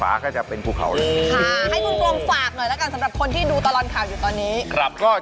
โอ้โฮยังมีโอกาสนะ